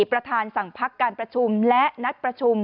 ประธานสั่งพักการประชุมและนัดประชุม